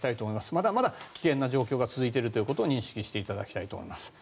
まだまだ危険な状況が続いているということを認識していただきたい思います。